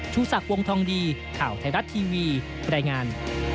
ชูสักวงทองดีข่าวไทยรัฐทีวีแบรนด์งาน